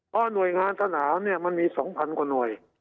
เพราะหน่วยงานสนามเนี่ยมันมี๒๐๐กว่าหน่วย